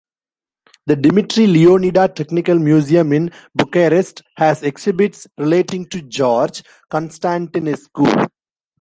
The Dimitrie Leonida Technical Museum in Bucharest has exhibits relating to George Constantinescu.